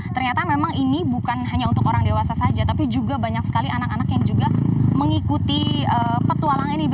ternyata memang ini bukan hanya untuk orang dewasa saja tapi juga banyak sekali anak anak yang juga mengikuti petualang ini